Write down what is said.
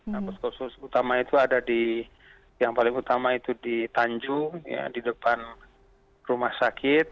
nah poskosus utama itu ada di yang paling utama itu di tanjung di depan rumah sakit